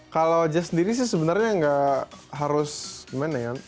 kalau jazz sendiri sih sebenarnya nggak harus gimana ya